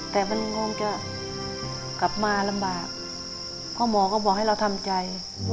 แต่มันคงจะกลับมาลำบากเพราะหมอก็บอกให้เราทำใจ